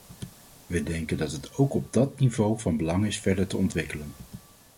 We denken dat het ook op dat niveau van belang is verder te ontwikkelen.